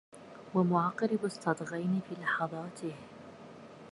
ومعقرب الصدغين في لحظاته